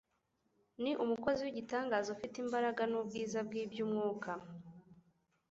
ni umukozi w'igitangaza ufite imbaraga n'ubwiza bw'iby'umwuka.